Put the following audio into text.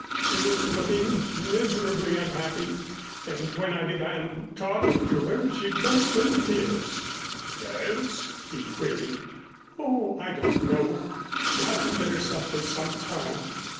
She was looking miserably unhappy, and when I began talking to her she burst into tears " "Nerves?" he queried. "Oh, I don't know. She hasn't been herself for some time.